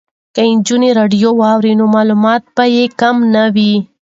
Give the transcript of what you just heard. که نجونې راډیو واوري نو معلومات به یې کم نه وي.